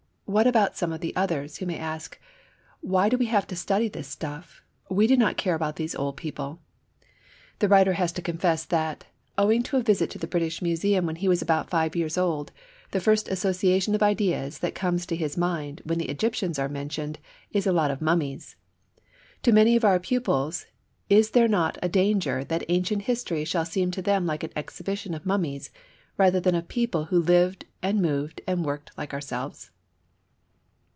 What about some of the others, who may ask, "Why do we have to study this stuff? We do not care about these old people." The writer has to confess that, owing to a visit to the British Museum when he was about five years old, the first association of ideas that comes to his mind when the Egyptians are mentioned is of a lot of mummies. To many of our pupils is there not a danger that ancient history shall seem to them like an exhibition of mummies rather than of people who lived and moved and worked like ourselves?